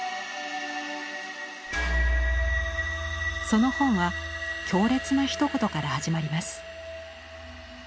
その本は強烈なひと言から始まります。